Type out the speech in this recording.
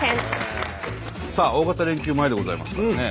さあ大型連休前でございますからね。